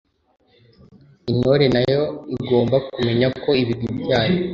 intore na yo igomba kumenya ko ibigwi byayo